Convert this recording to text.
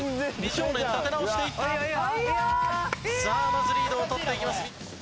まずリードを取っていきます。